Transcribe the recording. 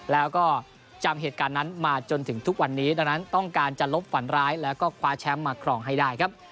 แล้วก็จำเหตุการณ์นั้นมาจนถึงทุกวันนี้ดังนั้นต้องการจะลบฝันร้ายแล้วก็คว้าแชมป์มาครองให้ได้ครับ